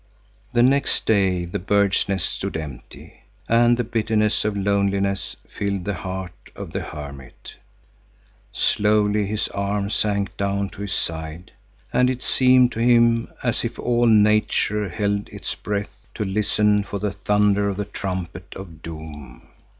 The next day the bird's nest stood empty, and the bitterness of loneliness filled the heart of the hermit. Slowly his arm sank down to his side, and it seemed to him as if all nature held its breath to listen for the thunder of the trumpet of Doom.